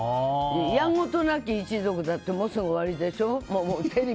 「やんごとなき一族」だってもうすぐ終わりでしょ？